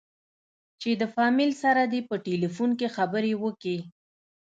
چې د فاميل سره دې په ټېلفون کښې خبرې وکې.